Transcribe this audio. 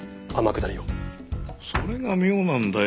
それが妙なんだよ。